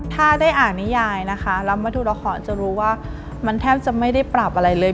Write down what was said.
ถ้าได้อ่านนิยายนะคะแล้วมาดูละครจะรู้ว่ามันแทบจะไม่ได้ปรับอะไรเลย